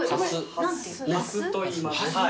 ハスといいます。